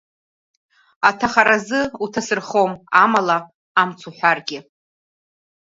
Аҭахара азы уҭасырхом, амала амц уҳәаргьы…